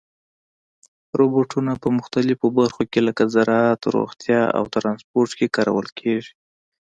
روبوټونه په مختلفو برخو کې لکه زراعت، روغتیا او ترانسپورت کې کارول کېږي.